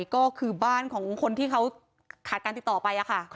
ก็คือบ้านของคนที่เขาขาดการติดต่อไปค่ะ